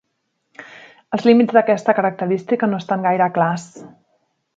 Els límits d"aquesta característica no estan gaire clars.